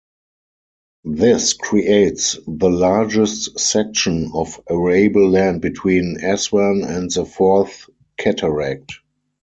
This creates the largest section of arable land between Aswan and the Fourth Cataract.